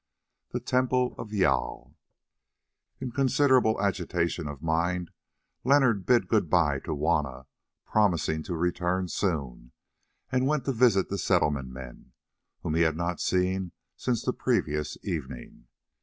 THE TEMPLE OF JÂL In considerable agitation of mind Leonard bid good bye to Juanna, promising to return soon, and went to visit the Settlement men, whom he had not seen since the previous evening.